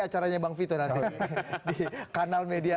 acaranya bang vito nanti di kanal media